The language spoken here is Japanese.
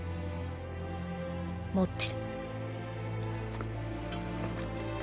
持ってる。